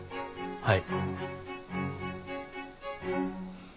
はい。